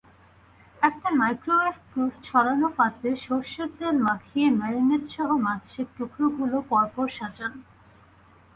একটি মাইক্রোওয়েভ-প্রুফ ছড়ানো পাত্রে সরষের তেল মাখিয়ে ম্যারিনেটসহ মাছের টুকরাগুলো পরপর সাজান।